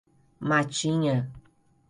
Matinha